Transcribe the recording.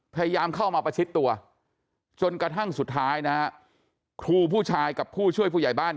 พยายามเข้ามาประชิดตัวจนกระทั่งสุดท้ายนะฮะครูผู้ชายกับผู้ช่วยผู้ใหญ่บ้าน